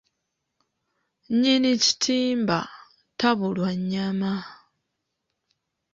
Nnyini kitimba, tabulwa nnyama.